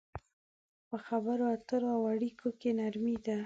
په خبرو اترو او اړيکو کې نرمي ده.